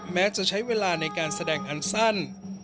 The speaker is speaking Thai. แม้จะใช้เวลาในการแสดงอันสั้น